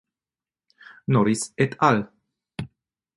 Norris et al.